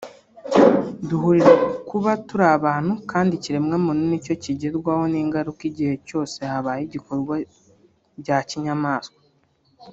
duhurira ku kuba turi abantu kandi ikiremwamuntu nicyo kigerwaho n’ingaruka igihe cyose habaye ibikorwa bya kinyamaswa